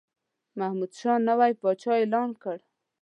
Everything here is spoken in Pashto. محمودشاه نوی پاچا اعلان کړ.